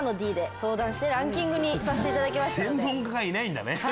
専門家がいないんだね。